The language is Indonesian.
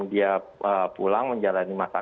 dia pulang menjalani masa